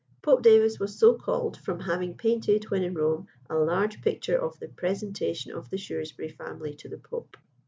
"Pope Davis" was so called from having painted, when in Rome, a large picture of the "Presentation of the Shrewsbury Family to the Pope."